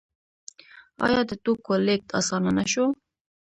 آیا د توکو لیږد اسانه نشو؟